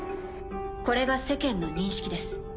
これが世間の認識です。